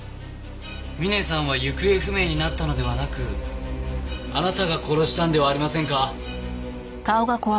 ミネさんは行方不明になったのではなくあなたが殺したんではありませんか？